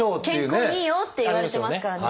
健康にいいよっていわれてますから。